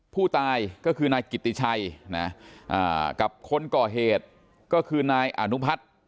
ผู้ตายก็คือนายกิติชัยนะกับคนก่อเหตุก็คือนายอนุพัฒน์